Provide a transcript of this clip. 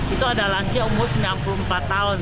itu ada lansia umur sembilan puluh empat tahun